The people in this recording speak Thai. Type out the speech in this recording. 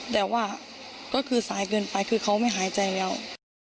แต่ว่าก็คือสายเกินไปคือเขาไม่หายใจแล้ว